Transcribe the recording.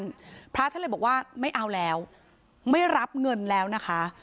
พระท่านเลยบอกว่าไม่เอาแล้วไม่รับเงินแล้วนะคะ